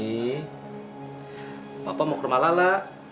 bapak mau ke rumah lala